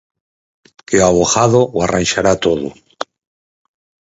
Que o avogado o arranxará todo.